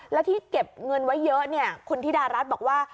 แล้วที่เก็บเงินไว้เยอะเนี่ยคุณธิดารัฐบอกว่า